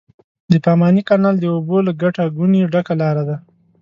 د پاماني کانال د اوبو له ګټه ګونې ډکه لاره ده.